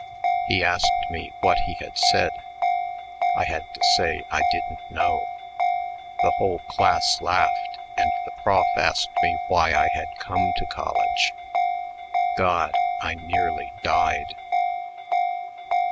He asked me what he had said. I had to say I didn't know. The whole class laughed, and the prof asked me why I had come to college. God! I nearly died."